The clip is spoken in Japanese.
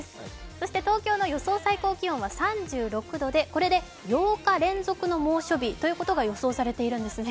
そして東京の最高気温は３６度でこれで８日連続の猛暑日が予想されているんですね。